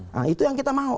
nah itu yang kita mau